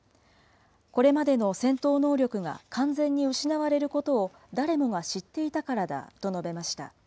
これまでの戦闘能力が完全に失われることを誰もが知っていたからだと述べました。